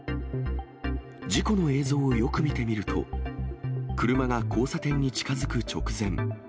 事故の映像をよく見てみると、車が交差点に近づく直前。